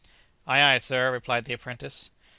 _] "Ay, ay, sir," replied the apprentice.